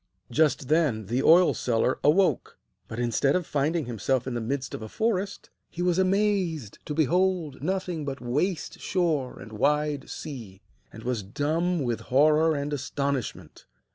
Just then the oil seller awoke; but instead of finding himself in the midst of a forest, he was amazed to behold nothing but waste shore and wide sea, and was dumb with horror and astonishment.